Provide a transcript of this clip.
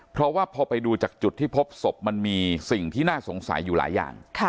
เพราะว่าพอไปดูจากจุดที่พบศพมันมีสิ่งที่น่าสงสัยอยู่หลายอย่าง